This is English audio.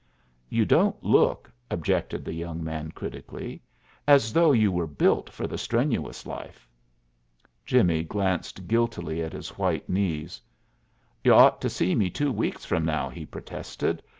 "You don't look," objected the young man critically, "as though you were built for the strenuous life." Jimmie glanced guiltily at his white knees. "You ought ter see me two weeks from now," he protested.